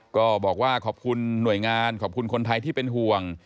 ก็บอกว่าขอบคุณหน่วยงานขอบคุณคนไทยที่เป็นห่วง